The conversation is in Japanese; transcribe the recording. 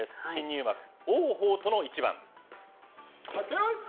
新入幕、王鵬との一番。